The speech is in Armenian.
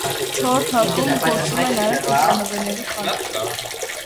Չորրորդ հարկում գործում է նաև հուշանվերների խանութ։